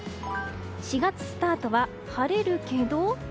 ４月スタートは晴れるけど。